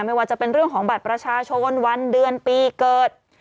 ไม่ว่าจะเป็นเรื่องของบัตรประชาชนวันเดือนปีเกิด